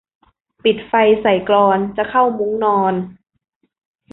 ปิดไฟใส่กลอน จะเข้ามุ้งนอน